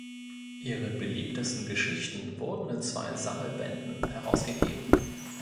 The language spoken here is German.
Ihre beliebtesten Geschichten wurden in zwei Sammelbänden herausgegeben.